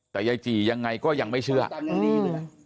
แต่ยายจี่ยังไงก็ยังไม่เชื่อนี่ไง